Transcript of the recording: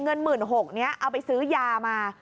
เงิน๑๖๐๐บาทนี้เอาไปซื้อยามา